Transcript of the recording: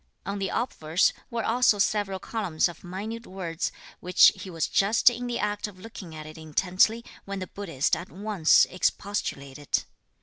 On the obverse, were also several columns of minute words, which he was just in the act of looking at intently, when the Buddhist at once expostulated.